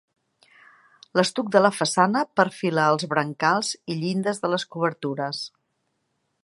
L'estuc de la façana perfila els brancals i llindes de les obertures.